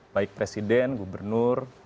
baik presiden gubernur